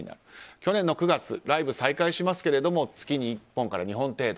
去年の９月ライブ再開しますけれども月に１本から２本程度。